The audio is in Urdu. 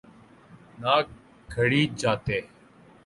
نہ گھڑی جاتیں۔